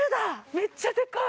めっちゃでかい！